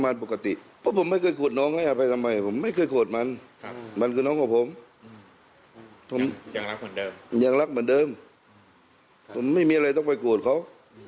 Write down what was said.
มีอะไรจะฝากกับน้องไหมครับเสียแป้งมามอบตัวสู้คดีนู่นนี่นั่น